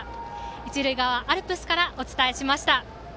一塁側アルプスからお伝えしました。